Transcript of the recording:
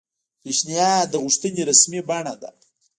پیشنھاد د غوښتنې رسمي بڼه ده